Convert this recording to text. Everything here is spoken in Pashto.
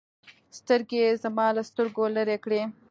سترگې يې زما له سترگو لرې کړې.